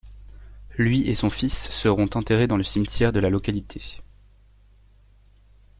Lui et son fils seront enterrés dans le cimetière de la localité.